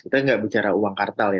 kita nggak bicara uang kartal ya